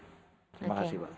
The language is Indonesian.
terima kasih pak